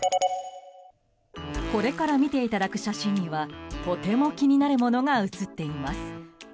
これから見ていただく写真にはとても気になるものが写っています。